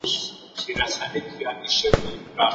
ده د ښځو عزت ته پام درلود.